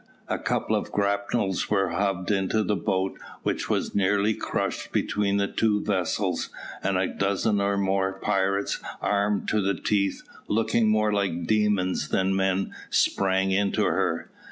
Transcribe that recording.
A couple of grapnels were hove into the boat, which was nearly crushed between the two vessels, and a dozen or more pirates, armed to the teeth, looking more like demons than men, sprang into her.